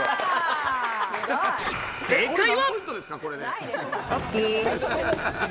正解は。